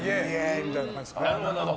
みたいな感じですかね。